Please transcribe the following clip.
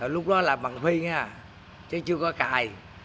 lúc đó là bằng phi nha chứ chưa có cài